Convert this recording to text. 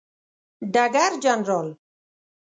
ډګر جنرال